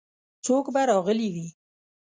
څوک به راغلي وي.